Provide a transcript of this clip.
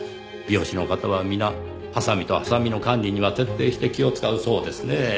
美容師の方は皆ハサミとハサミの管理には徹底して気を使うそうですねぇ。